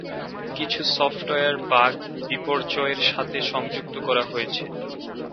কিছু software bug বিপর্যয়ের সাথে সংযুক্ত করা হয়েছে।